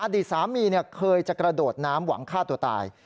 อดีตสามีเคยจะกระโดดน้ำหวังฆ่าตัวตาย